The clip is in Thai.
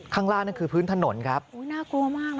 ข้างล่างนั่นคือพื้นถนนครับอุ้ยน่ากลัวมากนะ